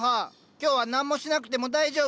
今日は何もしなくても大丈夫なの。